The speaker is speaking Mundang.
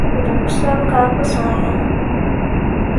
Ruu salle kah pu sã ah.